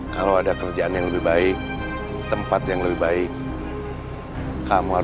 sama orangnya gak ada